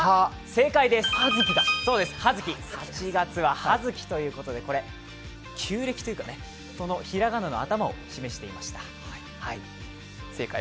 正解です、７月は葉月ということで、旧暦というか、その平仮名の頭を示していました。